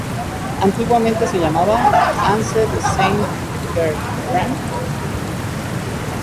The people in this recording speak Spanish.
Antiguamente se llamaba "Anse de Saint-Bertrand.